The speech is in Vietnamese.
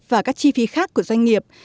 và các chi phí khác của doanh nghiệp